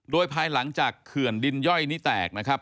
โดยภายหลังจากเขื่อนดินย่อยนี้แตกนะครับ